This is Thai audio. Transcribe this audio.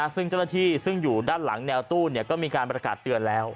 ซึ่งเจ้าหน้าที่ซึ่งอยู่ด้านหลังแนวตู้ก็มีการประกาศเตือนแล้ว